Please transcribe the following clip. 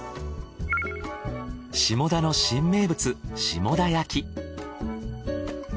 下田の新名物下田焼き。